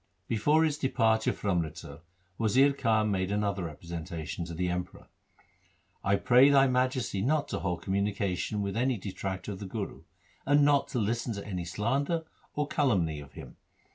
Before his departure for Amritsar Wazir Khan made another representation to the Emperor —' I pray thy Majesty not to hold communication with any detractor of the Guru, and not to listen to any slander or calumny of him.